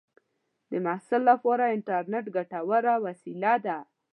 د محصل لپاره انټرنېټ ګټوره وسیله ده.